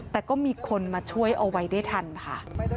แต่ก็มีคนมาช่วยเอาไว้ได้ทันค่ะ